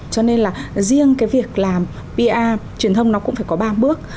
cho nên là riêng cái việc làm pa truyền thông nó cũng phải có ba bước